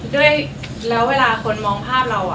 ด้วยแล้วเวลาคนมองภาพเรา